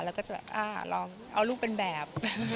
แล้วก็จะแบบอ่าลองเอาลูกเป็นแบบ